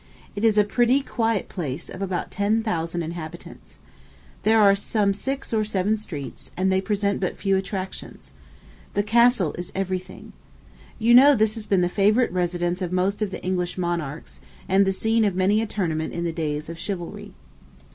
It is a pretty, quiet place, of about ten thousand inhabitants. There are some six or seven streets, and they present but few attractions. The castle is every thing. You know this has been the favorite residence of most of the English monarchs, and the scene of many a tournament in the days of chivalry.